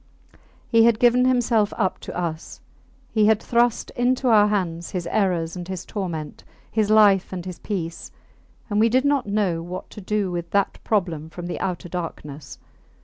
He had given himself up to us; he had thrust into our hands his errors and his torment, his life and his peace; and we did not know what to do with that problem from the outer darkness.